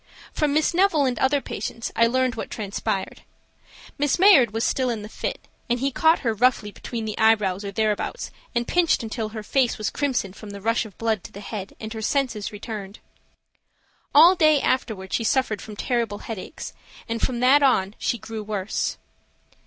From Miss Neville and other patients I learned what transpired. Miss Mayard was still in the fit, and he caught her roughly between the eyebrows or thereabouts, and pinched until her face was crimson from the rush of blood to the head, and her senses returned. All day afterward she suffered from terrible headache, and from that on she grew worse.